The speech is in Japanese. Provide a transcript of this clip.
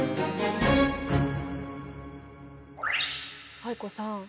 藍子さん